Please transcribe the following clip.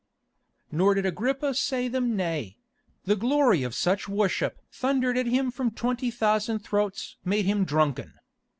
Nor did Agrippa say them nay; the glory of such worship thundered at him from twenty thousand throats made him drunken.